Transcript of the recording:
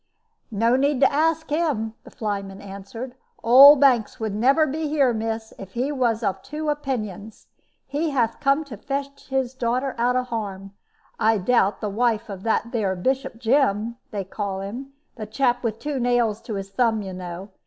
"No need to ask him," the flyman answered; "old Banks would never be here, miss, if he was of two opinions. He hath come to fetch his daughter out of harm, I doubt, the wife of that there Bishop Jim, they call him the chap with two nails to his thumb, you know.